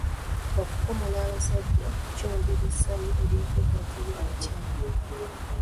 Okukomola abasajja kyongera essanyu ly'okwegatta eri abakyala.